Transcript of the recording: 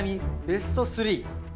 ベスト３。